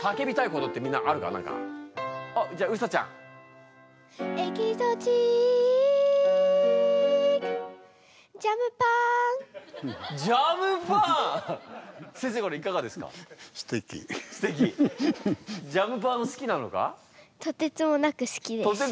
とてつもなく！